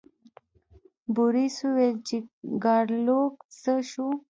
بوریس وویل چې ګارلوک څه شو.